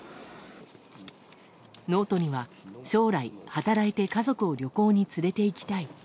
ノートには、将来働いて家族を旅行に連れていきたい。